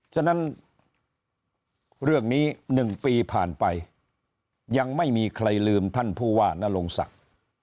ฉะนั้นเรื่องนี้๑ปีผ่านไปยังไม่มีใครลืมท่านผู้ว่านรงศักดิ์